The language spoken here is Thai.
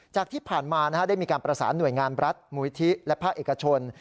จากที่ผ่านมาได้มีการประสานหน่วยงานรัฐมูลิธิและภาคเอกชน